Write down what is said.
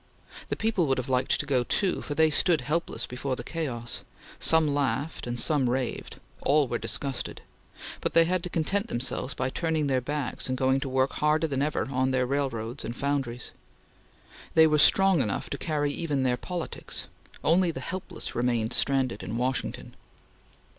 The people would have liked to go too, for they stood helpless before the chaos; some laughed and some raved; all were disgusted; but they had to content themselves by turning their backs and going to work harder than ever on their railroads and foundries. They were strong enough to carry even their politics. Only the helpless remained stranded in Washington.